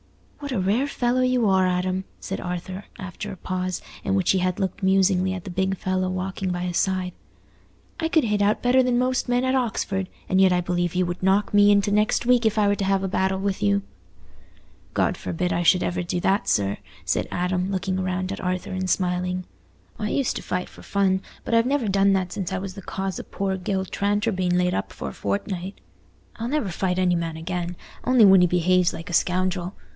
"What a rare fellow you are, Adam!" said Arthur, after a pause, in which he had looked musingly at the big fellow walking by his side. "I could hit out better than most men at Oxford, and yet I believe you would knock me into next week if I were to have a battle with you." "God forbid I should ever do that, sir," said Adam, looking round at Arthur and smiling. "I used to fight for fun, but I've never done that since I was the cause o' poor Gil Tranter being laid up for a fortnight. I'll never fight any man again, only when he behaves like a scoundrel.